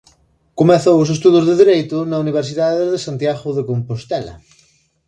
Comezou os estudos de Dereito na Universidade de Santiago de Compostela.